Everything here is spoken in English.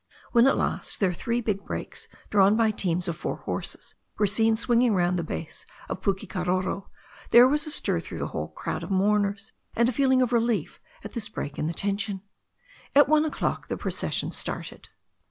When at last their three big brakes drawn by teams of four horses were seen swinging round the base of Pukekaroro, there was a stir through the whole crowd of mourners, and a feeling of relief at this break in the tension. At one o'clock the procession started.